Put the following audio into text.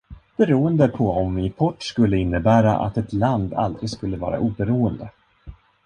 Beroende på om import skulle innebära att ett land aldrig skulle vara oberoende.